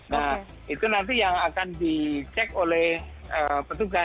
nah itu nanti yang akan dicek oleh petugas